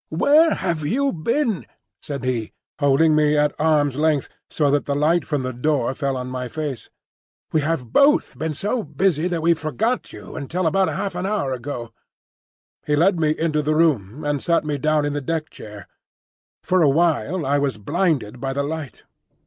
"Where have you been?" said he, holding me at arm's length, so that the light from the door fell on my face. "We have both been so busy that we forgot you until about half an hour ago." He led me into the room and sat me down in the deck chair. For awhile I was blinded by the light.